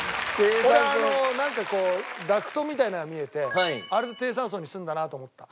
これあのなんかこうダクトみたいなのが見えてあれで低酸素にするんだなと思った。